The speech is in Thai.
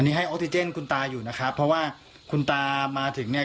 นี่ให้ออกซิเจนคุณตาอยู่นะครับเพราะว่าคุณตามาถึงเนี่ย